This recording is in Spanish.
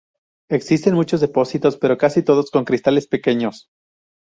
Existen muchos depósitos, pero casi todos con cristales pequeños.